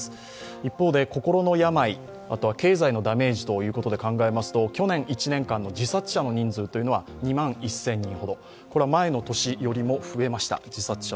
一方で心の病、または経済のダメージということで考えますと去年１年間の自殺者の人数というのは２万１０００人ほど、これは前の年よりも増えました。